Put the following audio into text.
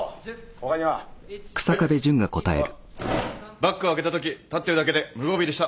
バッグを開けたとき立ってるだけで無防備でした。